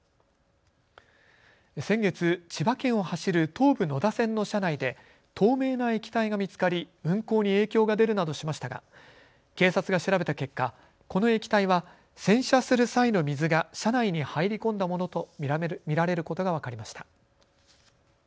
先月、千葉県を走る東武野田線の車内で透明な液体が見つかり運行に影響が出るなどしましたが警察が調べた結果、この液体は洗車する際の水が車内に入り込んだものと見られることが分かりました。